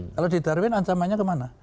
kalau di darwin ancamannya kemana